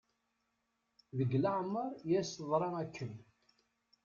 Deg leɛmer i as-teḍra akken.